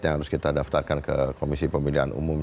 yang harus kita daftarkan ke komisi pemilihan umum